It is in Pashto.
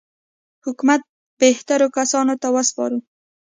حکومت بهترو کسانو ته وسپارو.